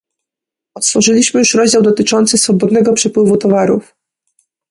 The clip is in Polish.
Otworzyliśmy już rozdział dotyczący swobodnego przepływu towarów